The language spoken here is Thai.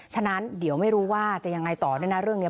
ฉะนั้นเดี๋ยวไม่รู้ว่าจะยังไงต่อด้วยนะเรื่องนี้